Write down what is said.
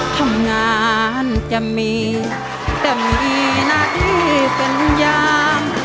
ทำงานจะมีแต่มีหน้าที่เป็นยาง